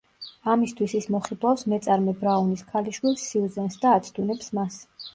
ამისთვის ის მოხიბლავს მეწარმე ბრაუნის ქალიშვილ სიუზენს და აცდუნებს მას.